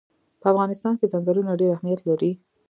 په افغانستان کې ځنګلونه ډېر اهمیت لري.